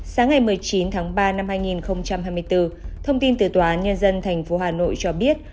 sáng ngày một mươi chín tháng ba năm hai nghìn hai mươi bốn thông tin từ tòa án nhân dân tp hà nội cho biết